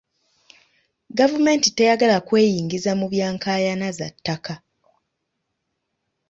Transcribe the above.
Gavumenti teyagala kweyingiza mu bya nkaayana za ttaka.